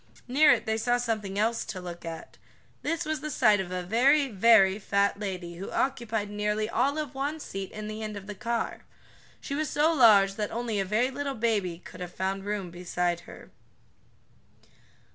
Near it they saw something else to look at. This was the sight of a very, very fat lady who occupied nearly all of one seat in the end of the car. She was so large that only a very little baby could have found room beside her.